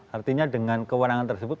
artinya dengan kewenangan tersebut